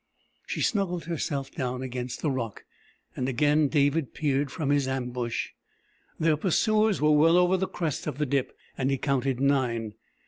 She snuggled herself down against the rock and again David peered from his ambush. Their pursuers were well over the crest of the dip, and he counted nine.